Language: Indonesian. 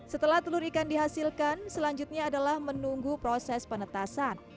setelah telur ikan dihasilkan selanjutnya adalah menunggu proses penetasan